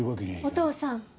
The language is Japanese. お父さん